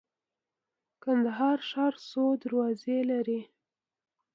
کندهار ښار څو دروازې لري؟